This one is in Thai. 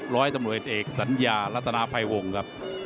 ร้อยตำรวจเอกสัญญารัฐนาภัยวงครับ